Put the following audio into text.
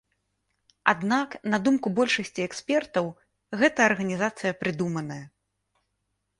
Аднак, на думку большасці экспертаў, гэта арганізацыя прыдуманая.